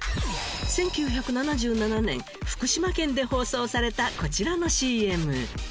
１９７７年福島県で放送されたこちらのＣＭ。